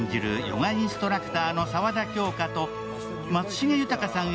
ヨガインストラクターの沢田杏花と、松重豊さん